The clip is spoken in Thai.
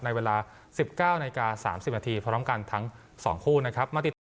ในเวลา๑๙นาฬิกา๓๐นาทีพร้อมกันทั้ง๒คู่นะครับมาติดต่อ